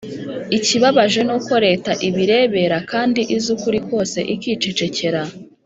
ikibabaje nuko leta ibirebera kandi izi ukuri kose ikicecekera